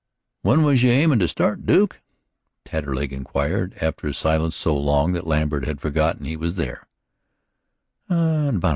"When was you aimin' to start, Duke?" Taterleg inquired, after a silence so long that Lambert had forgotten he was there.